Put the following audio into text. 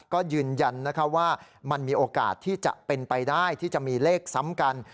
ก็ยืนยันว่ามันมีโอกาสที่จะเป็นไปได้ที่จะมีเลขซ้ำกัน